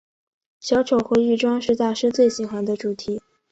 小丑和易装是大师最喜欢的主题。